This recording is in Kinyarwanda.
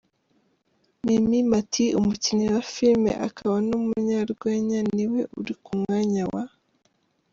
Mimie Mathy, umukinnyi wa filime akaba n’umunyarwenya ni we uri ku mwanya wa .